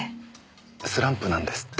スランプなんですって。